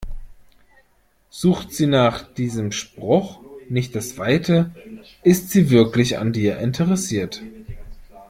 Sucht sie nach diesem Spruch nicht das Weite, ist sie wirklich an dir interessiert.